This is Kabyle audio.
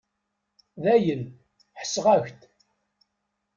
Dayen, ḥesseɣ-ak-d.